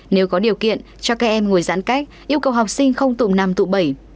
nếu có điều kiện cho các em ngồi giãn cách yêu cầu học sinh không tùm năm tùm bảy